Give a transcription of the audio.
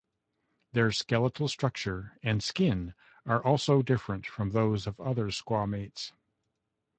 Their skeletal structure and skin are also different from those of other squamates.